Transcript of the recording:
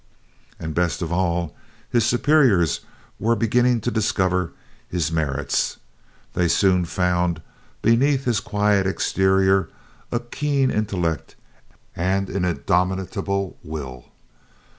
And, best of all, his superiors were beginning to discover his merits. They soon found, beneath his quiet exterior, a keen intellect and an indomitable will.